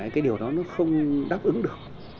cái điều đó nó không đáp ứng được